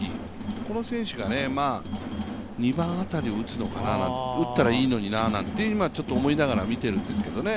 この選手が２番当たりを打つのかな打ったらいいのにななんて思いながら見てるんですけどね。